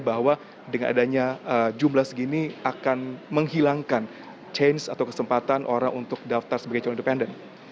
bahwa dengan adanya jumlah segini akan menghilangkan chance atau kesempatan orang untuk daftar sebagai calon independen